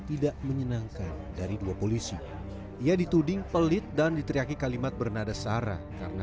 tidak menyenangkan dari dua polisi ia dituding pelit dan diteriaki kalimat bernada sarah karena